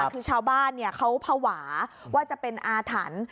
คือชาวบ้านเขาภาวะว่าจะเป็นอาถรรพ์